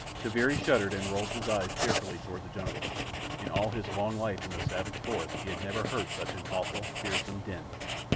Kaviri shuddered and rolled his eyes fearfully toward the jungle. In all his long life in the savage forest he had never heard such an awful, fearsome din.